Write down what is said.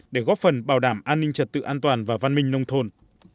để góp phần bảo đảm an ninh trật tự an toàn và văn minh nông thôn